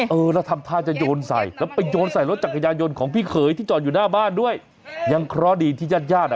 อำรถมาจัดการได้นะครับโอ้ยอ่าโรงอกโรงใจไปทีเนอะ